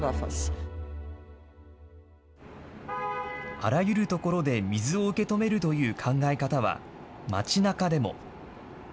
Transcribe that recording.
あらゆるところで水を受け止めるという考え方は、町なかでも。